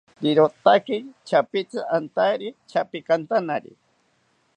Irotaki chapitzi antari chapikantanari